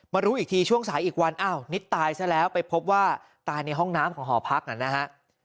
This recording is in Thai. รู้อีกทีช่วงสายอีกวันอ้าวนิดตายซะแล้วไปพบว่าตายในห้องน้ำของหอพักนะฮะ